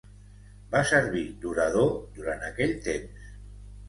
Va servir d'orador durant aquell temps.